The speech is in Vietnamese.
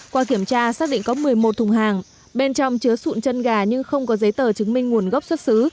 qua kiểm tra xác định có một mươi một thùng hàng bên trong chứa sụn chân gà nhưng không có giấy tờ chứng minh nguồn gốc xuất xứ